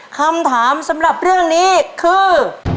คำถามสำหรับเรื่องนี้คือ